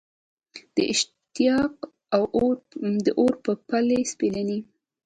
د اشتیاق د اور په پل سپېلني